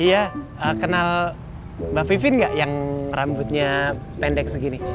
iya kenal mbak vivian gak yang rambutnya pendek segini